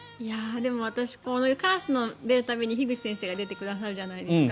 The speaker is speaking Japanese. でも、私カラスが出る度に樋口先生が出てくだされるじゃないですか。